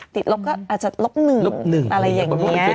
ติดลบก็อาจจะลบหนึ่งอะไรอย่างนี้